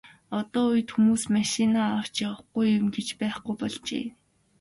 Одоо үед хүмүүс машиндаа авч явахгүй юм гэж байхгүй болжээ.